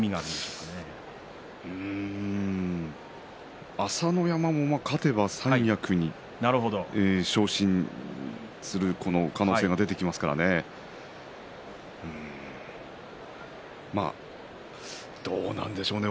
うーん朝乃山も勝てば三役に昇進する可能性が出てきますからね。うーん、どうなんですかね。